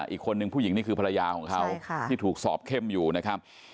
อีกคนนึงผู้หญิงนี่คือภรรยาของเขาที่ถูกสอบเข้มอยู่นะครับ